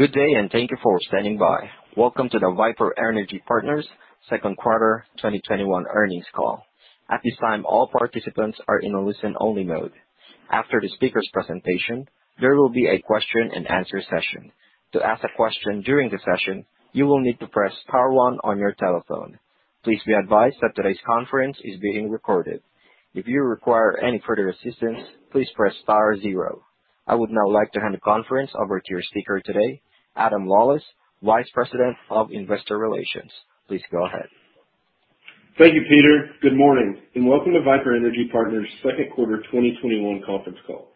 Good day, and thank you for standing by. Welcome to the Viper Energy Partners Second Quarter 2021 Earnings Call. At this time, all participants are in a listen-only mode. After the speaker's presentation, there will be a question and answer session. To ask a question during the session, you will need to press star one your telephone. Please be advised that today's conference is being recorded. If you require any further assistance, please press star zero. I would now like to hand the conference over to your speaker today, Adam Lawlis, Vice President of Investor Relations. Please go ahead. Thank you, Peter. Good morning, and welcome to Viper Energy Partners' second quarter 2021 conference call.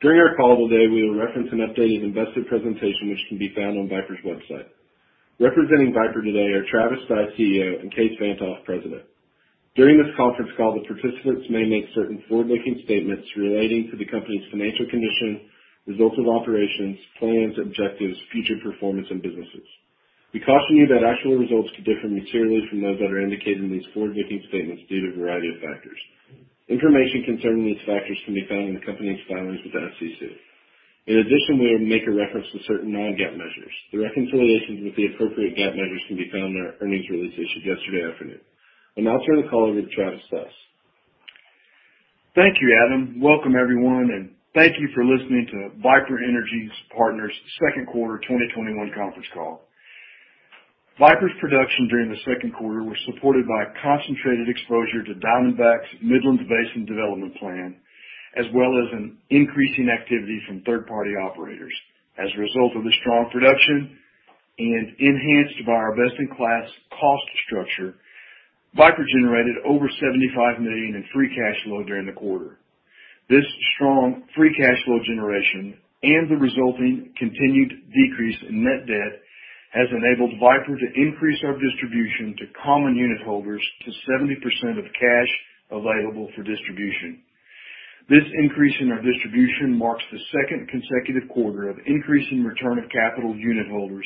During our call today, we will reference an updated investor presentation which can be found on Viper's website. Representing Viper today are Travis Stice, CEO, and Kaes Van't Hof, President. During this conference call, the participants may make certain forward-looking statements relating to the company's financial condition, results of operations, plans, objectives, future performance, and businesses. We caution you that actual results could differ materially from those that are indicated in these forward-looking statements due to a variety of factors. Information concerning these factors can be found in the company's filings with the SEC. We will make a reference to certain non-GAAP measures. The reconciliations with the appropriate GAAP measures can be found in our earnings release issued yesterday afternoon. I'll now turn the call over to Travis Stice. Thank you, Adam. Welcome everyone, and thank you for listening to Viper Energy Partners' second quarter 2021 conference call. Viper's production during the second quarter was supported by concentrated exposure to Diamondback's Midland Basin development plan, as well as an increasing activity from third-party operators. As a result of the strong production, and enhanced by our best-in-class cost structure, Viper generated over $75 million in free cash flow during the quarter. This strong Free Cash Flow generation and the resulting continued decrease in net debt has enabled Viper to increase our distribution to common unit holders to 70% of cash available for distribution. This increase in our distribution marks the second consecutive quarter of increase in Return of Capital to unit holders,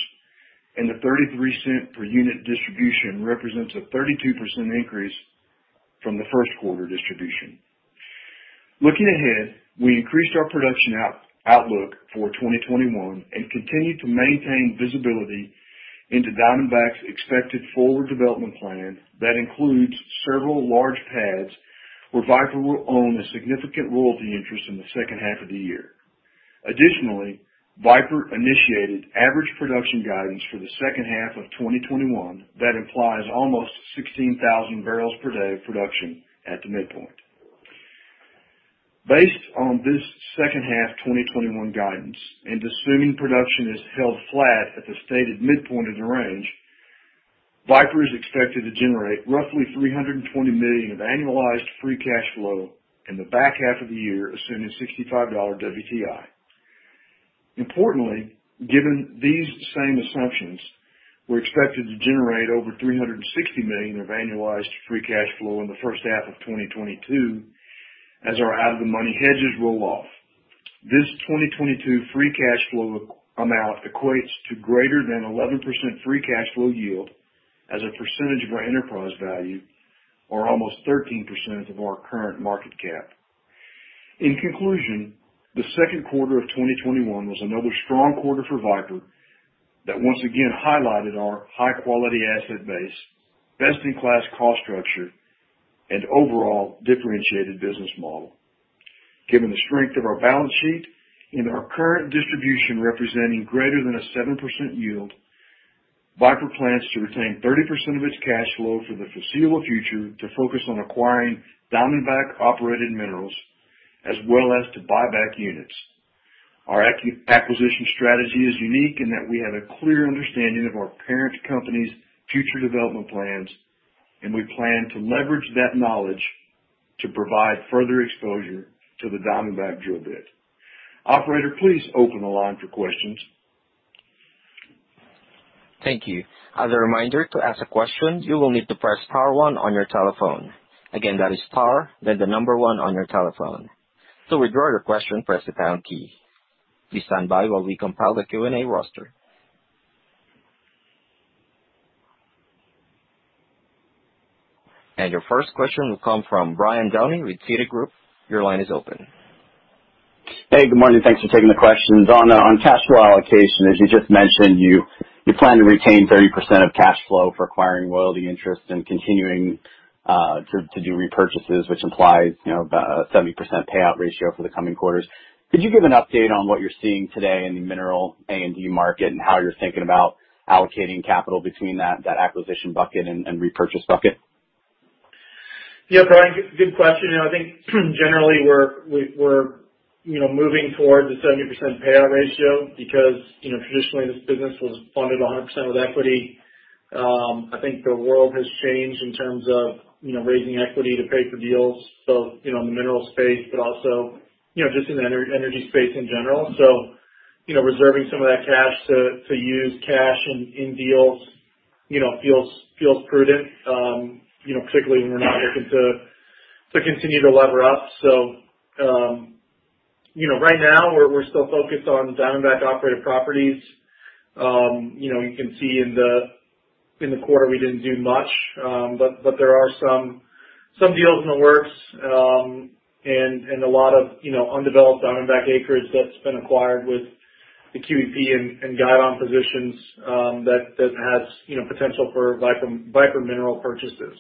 and the $0.33 per unit distribution represents a 32% increase from the first quarter distribution. Looking ahead, we increased our production outlook for 2021 and continue to maintain visibility into Diamondback's expected forward development plan that includes several large pads where Viper will own a significant royalty interest in the second half of the year. Additionally, Viper initiated average production guidance for the second half of 2021 that implies almost 16,000 barrels per day of production at the midpoint. Based on this second half 2021 guidance and assuming production is held flat at the stated midpoint of the range, Viper is expected to generate roughly $320 million of annualized Free Cash Flow in the back half of the year, assuming $65 WTI. Importantly, given these same assumptions, we're expected to generate over $360 million of annualized Free Cash Flow in the first half of 2022 as our out-of-the-money hedges roll off. This 2022 Free Cash Flow amount equates to greater than 11% Free Cash Flow yield as a percentage of our enterprise value or almost 13% of our current market cap. In conclusion, the second quarter of 2021 was another strong quarter for Viper that once again highlighted our high-quality asset base, best-in-class cost structure, and overall differentiated business model. Given the strength of our balance sheet and our current distribution representing greater than a 7% yield, Viper plans to retain 30% of its cash flow for the foreseeable future to focus on acquiring Diamondback-operated minerals as well as to buy back units. Our acquisition strategy is unique in that we have a clear understanding of our parent company's future development plans, and we plan to leverage that knowledge to provide further exposure to the Diamondback drill bit. Operator, please open the line for questions. Thank you. As a reminder, to ask a question, you will need to press star one on your telephone. Again, that is star, then the number one on your telephone. To withdraw your question, press the pound key. Please stand by while we compile the Q&A roster. Your first question will come from Brian Downey with Citigroup. Your line is open. Hey, good morning. Thanks for taking the questions. On cash flow allocation, as you just mentioned, you plan to retain 30% of cash flow for acquiring royalty interest and continuing to do repurchases, which implies, you know, about a 70% payout ratio for the coming quarters. Could you give an update on what you're seeing today in the mineral A&D market and how you're thinking about allocating capital between that acquisition bucket and repurchase bucket? Yeah, Brian, good question. I think generally we're moving towards a 70% payout ratio because traditionally this business was funded 100% with equity. I think the world has changed in terms of raising equity to pay for deals, both in the minerals space, but also just in the energy space in general. So reserving some of that cash to use cash in deals feels prudent, particularly when we're not looking to continue to lever up. right now we're still focused on Diamondback-operated properties. You can see in the- In the quarter, we didn't do much. There are some deals in the works, and a lot of undeveloped owned back acreage that's been acquired with the QEP and Guidon positions that has potential for Viper mineral purchases.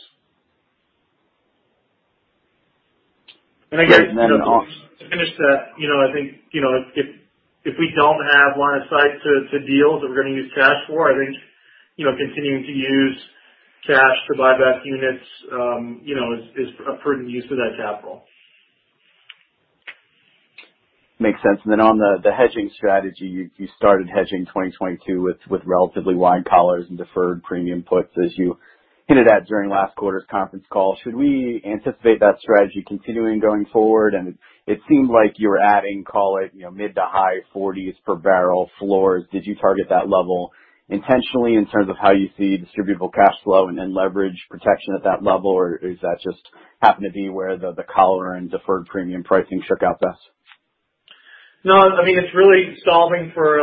And then- To finish that, I think, if we don't have line of sight to deals that we're going to use cash for, I think continuing to use cash to buy back units is a prudent use of that capital. Makes sense. Then on the hedging strategy, you started hedging 2022 with relatively wide collars and deferred premium puts, as you hinted at during last quarter's conference call. Should we anticipate that strategy continuing going forward? It seemed like you were adding, call it, mid to high $40s per barrel floors. Did you target that level intentionally in terms of how you see distributable cash flow and then leverage protection at that level? Is that just happened to be where the collar and deferred premium pricing shook out best? No. It's really solving for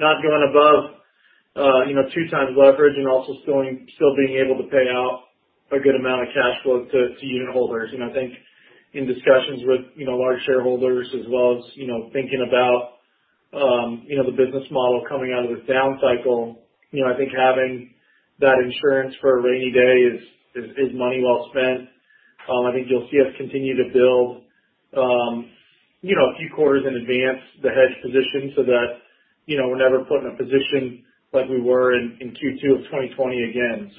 not going above 2 times leverage and also still being able to pay out a good amount of cash flow to unitholders. I think in discussions with large shareholders as well as thinking about the business model coming out of this down cycle, I think having that insurance for a rainy day is money well spent. I think you'll see us continue to build a few quarters in advance the hedge position so that we're never put in a position like we were in Q2 of 2020 again.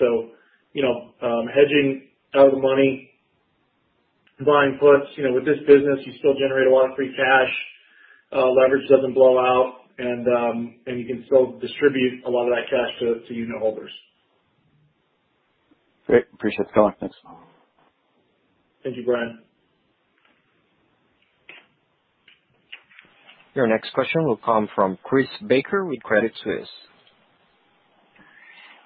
Hedging out of the money, buying puts. With this business, you still generate a lot of free cash. Leverage doesn't blow out. You can still distribute a lot of that cash to unitholders. Great. Appreciate the color. Thanks. Thank you, Brian. Your next question will come from Chris Baker with Credit Suisse.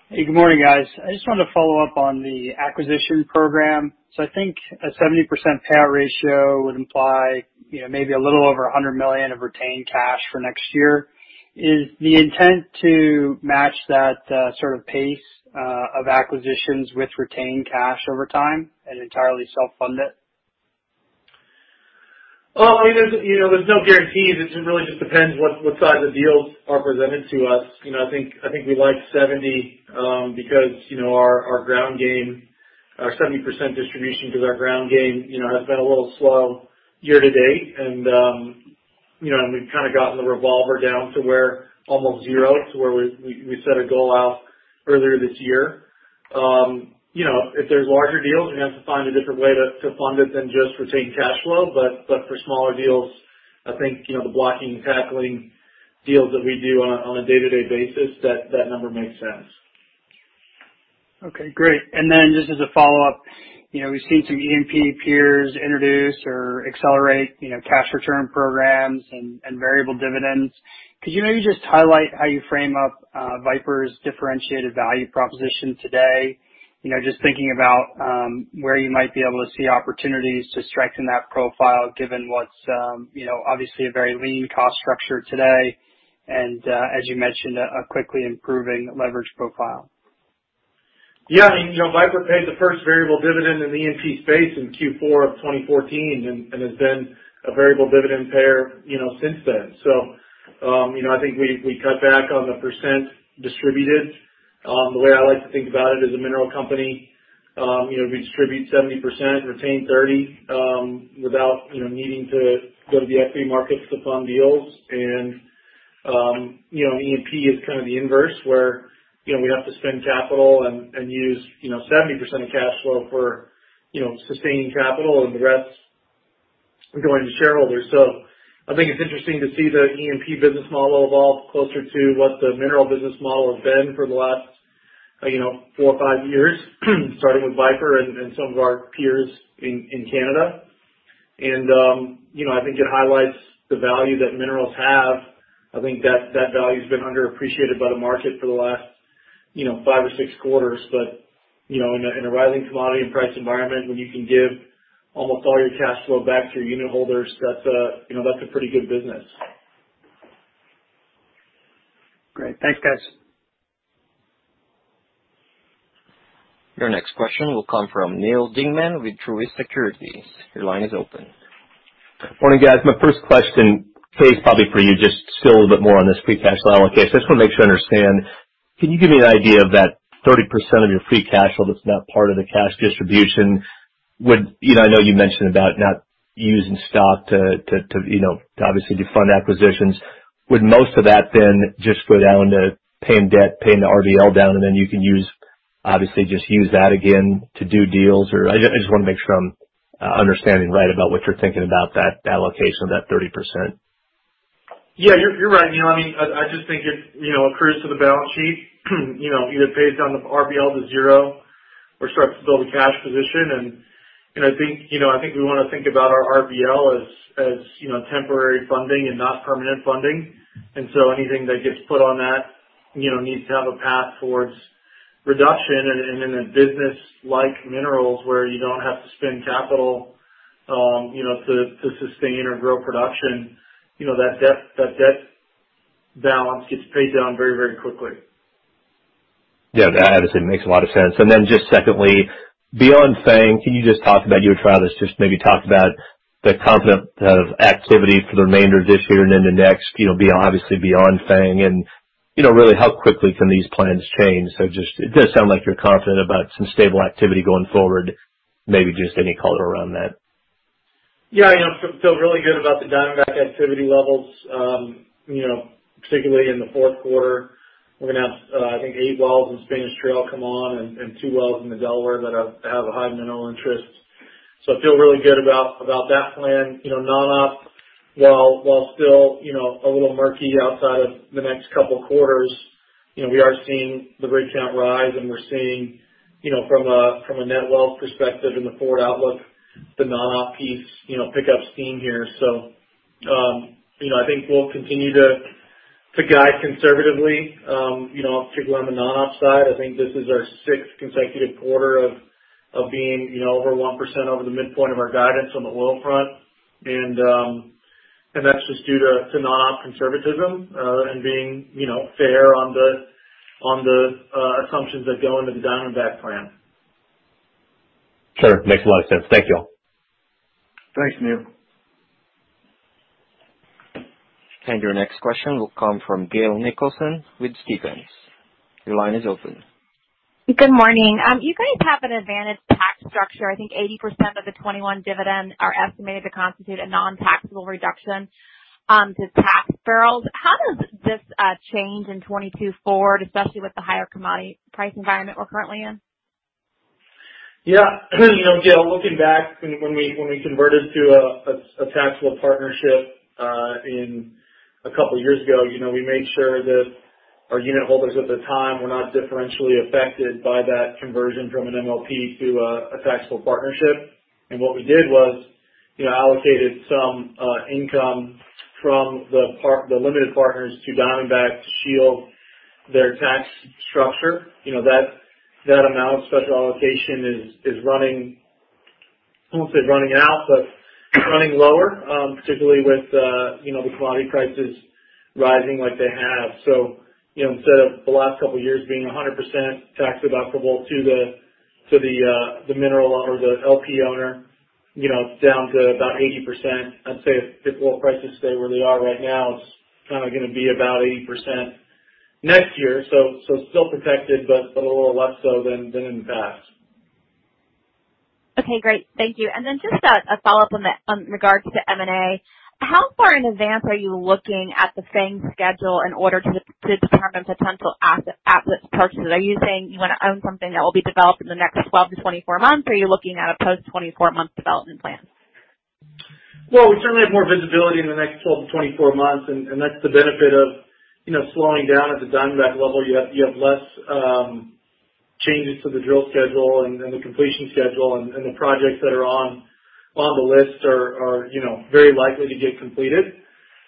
Hey, good morning, guys. I just wanted to follow up on the acquisition program. I think a 70% payout ratio would imply maybe a little over $100 million of retained cash for next year. Is the intent to match that sort of pace of acquisitions with retained cash over time and entirely self-fund it? There's no guarantees. It really just depends what size of deals are presented to us. I think we like 70 because our ground game, our 70% distribution because our ground game has been a little slow year to date. We've kind of gotten the revolver down to where almost zero to where we set a goal out earlier this year. If there's larger deals, we have to find a different way to fund it than just retain cash flow. For smaller deals, I think, the blocking and tackling deals that we do on a day-to-day basis, that number makes sense. Okay, great. Just as a follow-up, we've seen some E&P peers introduce or accelerate cash return programs and variable dividends. Could you maybe just highlight how you frame up Viper's differentiated value proposition today? Just thinking about where you might be able to see opportunities to strengthen that profile given what's obviously a very lean cost structure today and, as you mentioned, a quickly improving leverage profile. Yeah. Viper paid the first variable dividend in the E&P space in Q4 of 2014 and has been a variable dividend payer since then. I think we cut back on the percent distributed. The way I like to think about it as a mineral company, we distribute 70%, retain 30%, without needing to go to the equity markets to fund deals. E&P is kind of the inverse, where we have to spend capital and use 70% of cash flow for sustaining capital and the rest going to shareholders. I think it's interesting to see the E&P business model evolve closer to what the mineral business model has been for the last four or five years starting with Viper and some of our peers in Canada. I think it highlights the value that minerals have. I think that value's been underappreciated by the market for the last five or six quarters. In a rising commodity and price environment, when you can give almost all your cash flow back to your unitholders, that's a pretty good business. Great. Thanks, guys. Your next question will come from Neal Dingmann with Truist Securities. Your line is open. Morning, guys. My first question, Kaes, is probably for you, just still a little bit more on this Free Cash Flow allocation. I just want to make sure I understand. Can you give me an idea of that 30% of your Free Cash Flow that's not part of the cash distribution? I know you mentioned about not using stock to obviously fund acquisitions. Would most of that then just go down to paying debt, paying the RBL down, and then you can obviously just use that again to do deals? I just want to make sure I'm understanding right about what you're thinking about that allocation of that 30%. Yeah, you're right, Neal. I just think it accrues to the balance sheet. Either pays down the RBL to zero or starts to build a cash position. I think we want to think about our RBL as temporary funding and not permanent funding. Anything that gets put on that needs to have a path towards reduction. In a business like minerals where you don't have to spend capital to sustain or grow production, that debt balance gets paid down very quickly. Yeah. That obviously makes a lot of sense. Then just secondly, beyond Fang, can you just talk about your [drills] or just maybe talk about the confidence of activity for the remainder of this year and then the next, obviously beyond Fang, really how quickly can these plans change? It does sound like you're confident about some stable activity going forward. Maybe just any color around that. Yeah. I feel really good about the Diamondback activity levels. Particularly in the fourth quarter, we're going to have, I think, eight wells in Spanish Trail come on, and two wells in the Delaware that have a high mineral interest. I feel really good about that plan. Non-op, while still a little murky outside of the next couple of quarters, we are seeing the rig count rise, and we're seeing from a net wells perspective in the forward outlook, the non-op piece pick up steam here. I think we'll continue to guide conservatively, particularly on the non-op side. I think this is our sixth consecutive quarter of being over 1% over the midpoint of our guidance on the oil front. That's just due to non-op conservatism, and being fair on the assumptions that go into the Diamondback plan. Sure. Makes a lot of sense. Thank you. Thanks, Neal. Your next question will come from Gail Nicholson with Stephens. Your line is open. Good morning. You guys have an advantage tax structure. I think 80% of the 2021 dividends are estimated to constitute a non-taxable reduction to tax barrels. How does this change in 2022 forward, especially with the higher commodity price environment we're currently in? Yeah. Gail, looking back when we converted to a taxable partnership a couple of years ago, we made sure that our unit holders at the time were not differentially affected by that conversion from an MLP to a taxable partnership. What we did was allocated some income from the limited partners to Diamondback to shield their tax structure. That amount of special allocation is running, I won't say running out, but running lower, particularly with the commodity prices rising like they have. Instead of the last couple of years being 100% tax-deductible to the mineral owner, the LP owner, down to about 80%. I'd say if oil prices stay where they are right now, it's going to be about 80% next year. Still protected, but a little less so than in the past. Okay, great. Thank you. Just a follow-up in regards to M&A. How far in advance are you looking at the Fang schedule in order to determine potential asset purchases? Are you saying you want to own something that will be developed in the next 12-24 months, or are you looking at a post 24-month development plan? We certainly have more visibility in the next 12 to 24 months, and that's the benefit of slowing down at the Diamondback level. You have less changes to the drill schedule and the completion schedule, and the projects that are on the list are very likely to get completed.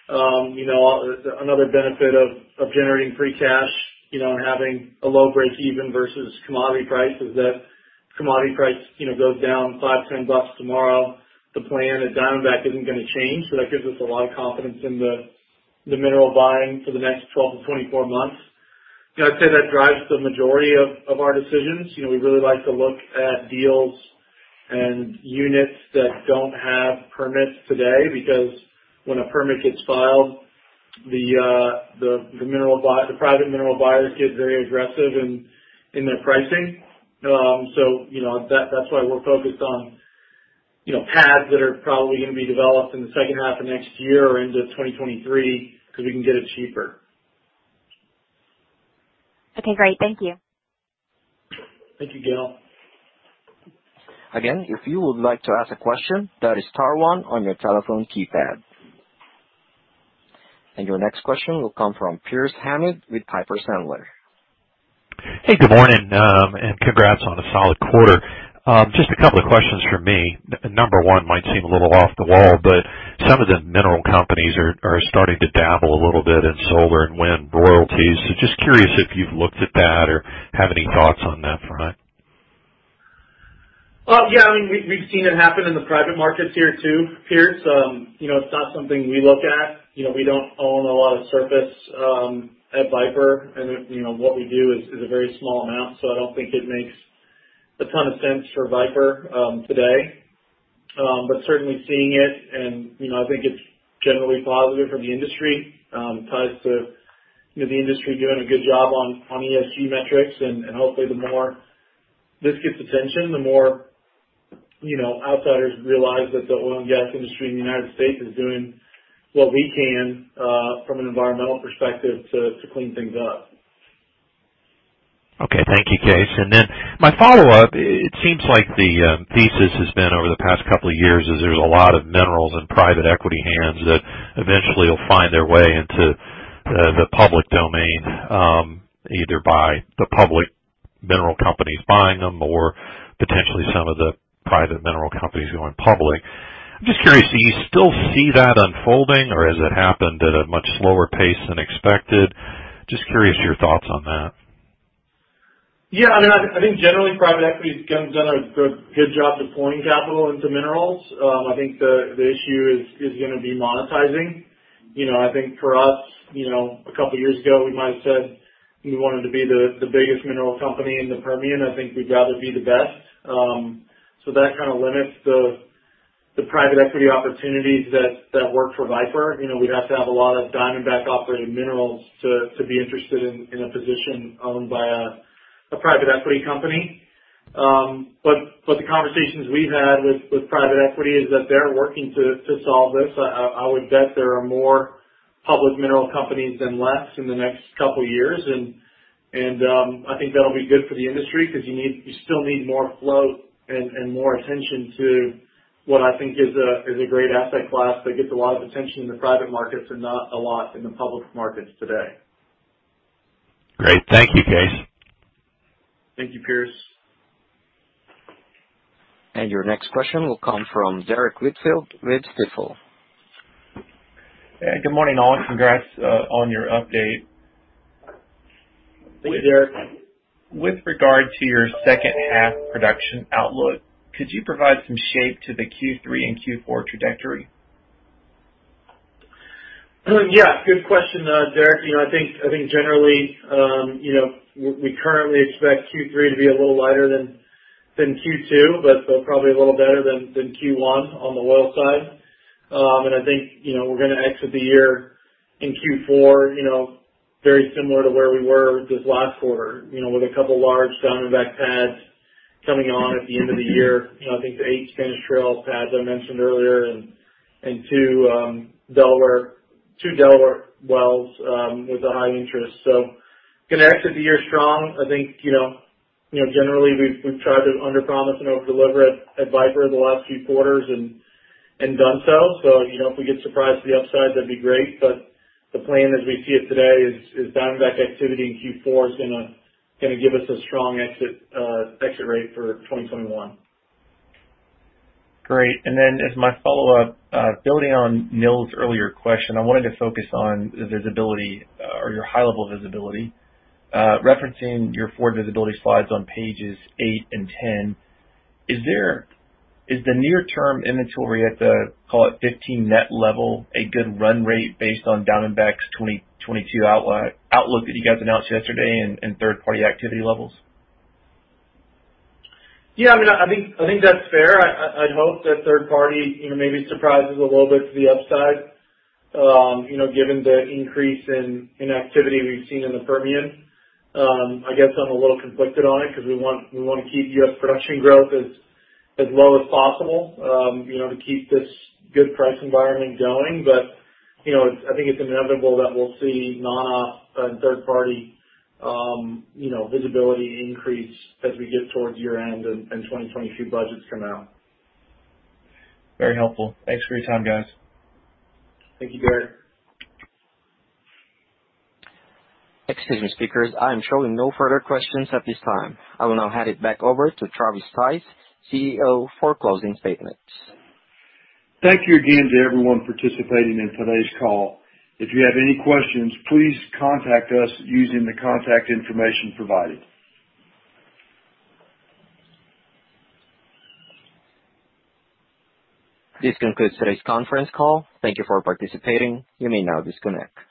Another benefit of generating free cash and having a low breakeven versus commodity price is that commodity price goes down $5, $10 tomorrow, the plan at Diamondback isn't going to change. That gives us a lot of confidence in the mineral buying for the next 12 to 24 months. I'd say that drives the majority of our decisions. We really like to look at deals and units that don't have permits today, because when a permit gets filed, the private mineral buyers get very aggressive in their pricing. That's why we're focused on pads that are probably going to be developed in the second half of next year or into 2023, because we can get it cheaper. Okay, great. Thank you. Thank you, Gail. Again, if you would like to ask a question, that is star one on your telephone keypad. Your next question will come from Pearce Hammond with Piper Sandler. Hey, good morning, and congrats on a solid quarter. Just a couple of questions from me. Number one might seem a little off the wall but some of the mineral companies are starting to dabble a little bit in solar and wind royalties. Just curious if you've looked at that or have any thoughts on that front. Yeah. We've seen it happen in the private markets here too, Pearce. It's not something we look at. We don't own a lot of surface at Viper, and what we do is a very small amount. I don't think it makes a ton of sense for Viper today. Certainly seeing it, and I think it's generally positive for the industry. Ties to the industry doing a good job on ESG metrics, and hopefully the more this gets attention, the more outsiders realize that the oil and gas industry in the U.S. is doing what we can, from an environmental perspective, to clean things up. Okay. Thank you, Kaes. My follow-up, it seems like the thesis has been over the past couple of years, is there's a lot of minerals in private equity hands that eventually will find their way into the public domain, either by the public mineral companies buying them or potentially some of the private mineral companies going public. I'm just curious, do you still see that unfolding, or has it happened at a much slower pace than expected? Just curious your thoughts on that. Yeah. I think generally private equity has done a good job deploying capital into minerals. I think the issue is going to be monetizing. I think for us, a couple of years ago, we might have said we wanted to be the biggest mineral company in the Permian. I think we'd rather be the best. That kind of limits the private equity opportunities that work for Viper. We'd have to have a lot of Diamondback-operated minerals to be interested in a position owned by a private equity company. The conversations we've had with private equity is that they're working to solve this. I would bet there are more public mineral companies than less in the next couple of years, and I think that'll be good for the industry because you still need more flow and more attention to what I think is a great asset class that gets a lot of attention in the private markets and not a lot in the public markets today. Great. Thank you, Kaes. Thank you, Pearce. Your next question will come from Derrick Whitfield with Stifel. Hey, good morning, all. Congrats on your update. Thank you, Derrick. With regard to your second half production outlook, could you provide some shape to the Q3 and Q4 trajectory? Good question, Derrick. I think generally, we currently expect Q3 to be a little lighter than Q2, but probably a little better than Q1 on the oil side. I think we're going to exit the year in Q4 very similar to where we were this last quarter, with a couple of large Diamondback pads coming on at the end of the year. I think the eight Spanish Trails pads I mentioned earlier and two Delaware wells with a high interest. Going to exit the year strong. I think generally we've tried to underpromise and overdeliver at Viper the last few quarters and done so. If we get surprised to the upside, that'd be great. The plan as we see it today is Diamondback activity in Q4 is going to give us a strong exit rate for 2021. Great. As my follow-up, building on Neal's earlier question, I wanted to focus on the visibility or your high-level visibility. Referencing your forward visibility slides on pages eight and 10, is the near-term inventory at the, call it, 15 net level a good run rate based on Diamondback's 2022 outlook that you guys announced yesterday and third-party activity levels? Yeah, I think that's fair. I'd hope that third party maybe surprises a little bit to the upside given the increase in activity we've seen in the Permian. I guess I'm a little conflicted on it because we want to keep U.S. production growth as low as possible to keep this good price environment going. I think it's inevitable that we'll see non-op and third-party visibility increase as we get towards year-end and 2022 budgets come out. Very helpful. Thanks for your time, guys. Thank you, Derrick. Excuse me, speakers. I am showing no further questions at this time. I will now hand it back over to Travis Stice, CEO, for closing statements. Thank you again to everyone participating in today's call. If you have any questions, please contact us using the contact information provided. This concludes today's conference call. Thank you for participating. You may now disconnect.